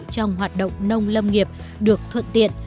trong hoạt động nông lâm nghiệp được thuận tiện